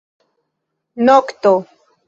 Nokto.